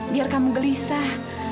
biar kamu gelisah